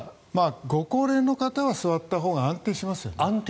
ご高齢の方は座ったほうが安定しますよね。